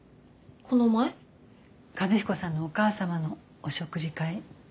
和彦さんのお母様のお食事会。